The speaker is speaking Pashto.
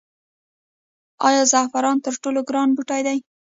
آیا زعفران تر ټولو ګران بوټی دی؟